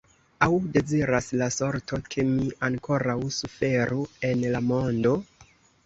Aŭ deziras la sorto, ke mi ankoraŭ suferu en la mondo?